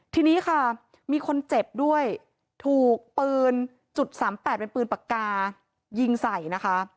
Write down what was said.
ทีนี้ค่ะมีคนเจ็บด้วยถูกปืนจุด๓๘เป็นปืนปากกายิงใส่นะคะ